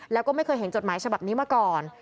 แล้วก็ไม่เคยเห็นจดหมายฉบับนี้มาก่อน